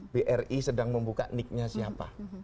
bri sedang membuka nicknya siapa